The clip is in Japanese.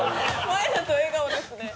前だと笑顔ですね。